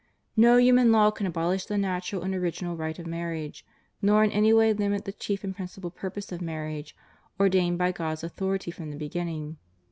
No human law can abolish the natural and original right of marriage, nor in any way limit the chief and principal purpose of marriage, ordained by God's author ity from the begirming.